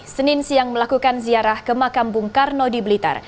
senin siang melakukan ziarah ke makam bung karno di blitar